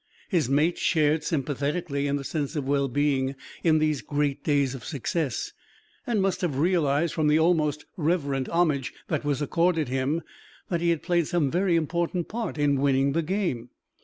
His mate shared sympathetically in the sense of well being in these great days of success, and must have realized, from the almost reverent homage that was accorded him, that he had played some very important part in winning the game.